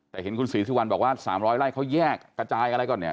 แต่เห็นคุณศรีสุวรรณบอกว่า๓๐๐ไร่เขาแยกกระจายอะไรก่อนเนี่ย